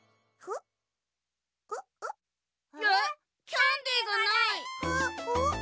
キャンデーがない！